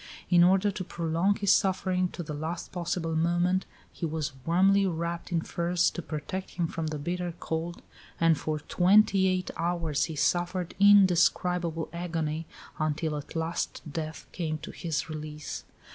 In order to prolong his suffering to the last possible moment, he was warmly wrapped in furs, to protect him from the bitter cold, and for twenty eight hours he suffered indescribable agony, until at last death came to his release.